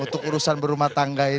untuk urusan berumah tangga ini